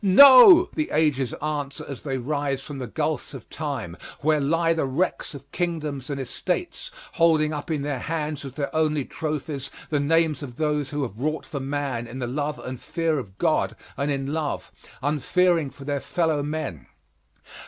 No! the ages answer as they rise from the gulfs of time, where lie the wrecks of kingdoms and estates, holding up in their hands as their only trophies, the names of those who have wrought for man in the love and fear of God, and in love unfearing for their fellow men.